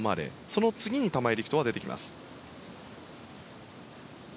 その次に玉井陸斗は出てきます。